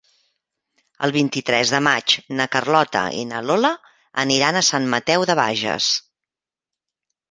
El vint-i-tres de maig na Carlota i na Lola aniran a Sant Mateu de Bages.